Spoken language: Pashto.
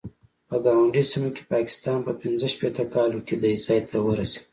په ګاونډۍ سیمه کې پاکستان په پنځه شپېته کالو کې دې ځای ته ورسېد.